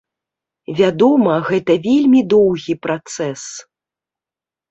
Вядома, гэта вельмі доўгі працэс.